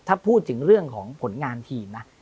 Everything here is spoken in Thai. ถ้าพูดถึงเรื่องของผลงานทีมนะ